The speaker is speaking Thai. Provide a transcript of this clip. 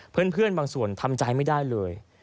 เพื่อนบางส่วนทำใจไม่ได้เลย